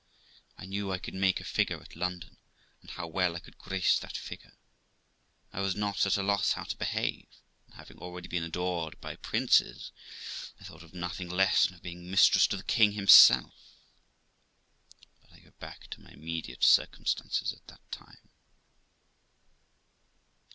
I knew I could make a figure at London, and how well I could grace that figure. I was not at a loss how to behave, and, having already been adored by princes, I thought of nothing less than of being mistress to the king himself. But I go back to my immediate circumstances at that time.